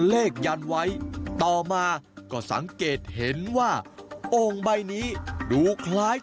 ยันไว้ต่อมาก็สังเกตเห็นว่าโอ่งใบนี้ดูคล้าย